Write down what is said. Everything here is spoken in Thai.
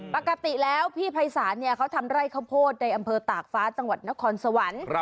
ปกติแล้วพี่ภัยศาลเขาทำไร่ข้าวโพดในอำเภอตากฟ้าจังหวัดนครสวรรค์